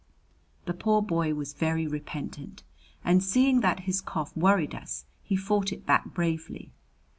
The poor boy was very repentant, and seeing that his cough worried us he fought it back bravely.